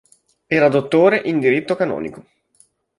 Era dottore in diritto canonico.